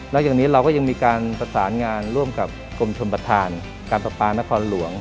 แล้วอย่างนี้เราก็ยังมีการประสานงานร่วมกับกรมชมประธานการประปานครหลวง